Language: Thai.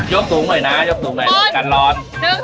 ยกสูงหน่อยนะยกสูงหน่อยกันร้อน